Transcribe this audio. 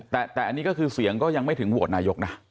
แต่อันนี้ก็คือเสียงก็ยังไม่ถึงโหวตนายกนะ